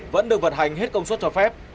vẫn được vật hành hết công suất cho phép